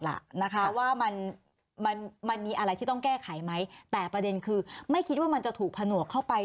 และประเด็นคือไม่คิดว่ามันจะถูกผนนวกเข้าไป